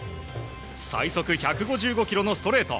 最速１５５キロのストレート